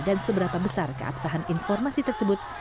dan seberapa besar keabsahan informasi tersebut